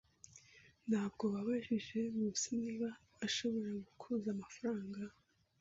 Ntabwo wabajije Nkusi niba ushobora kuguza amafaranga?